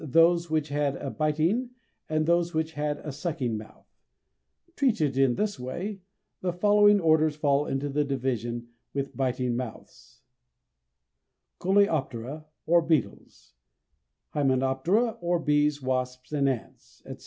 those which had a biting and those which had a sucking mouth; treated in this way, the following orders fall into the division with biting mouths: Coleoptera, or beetles; Hymenoptera, or bees, wasps, ants, etc.